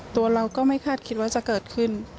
ตัวเราก็ไม่คาดคิดว่าจะเกิดขึ้น